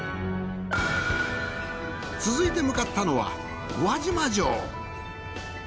続いて向かったのは宇和島城。